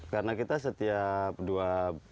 karena kita setiap dua